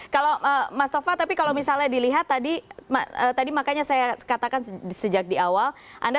kalau mas tova tapi kalau misalnya dilihat tadi makanya saya katakan sejak di awal